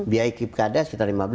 biaya pilkada sekitar lima belas